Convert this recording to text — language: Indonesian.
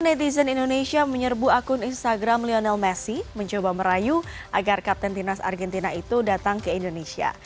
netizen indonesia menyerbu akun instagram lionel messi mencoba merayu agar kapten timnas argentina itu datang ke indonesia